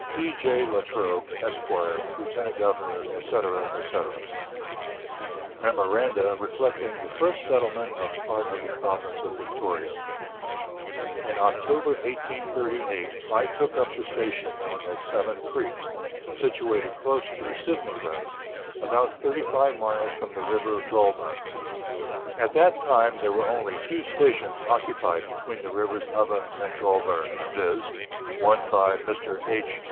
C. J. La Trobe, Esq., Lieutenant Governor, &c., &c. MEMORANDA RESPECTING THE FIRST SETTLEMENT OF PART OF THE PROVINCE OF VICTORIA. In October 1838 I took up the station known as Seven Creeks, situated close to the Sydney road, about 35 miles from the River Goulburn. At that time there were only two stations occupied between the rivers Ovens and Goulburn, viz., one by Mr. H.